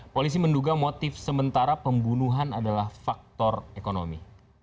polisi menduga motif sementara pembunuhan adalah faktor ekonomi